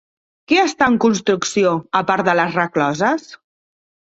Què està en construcció a part de les rescloses?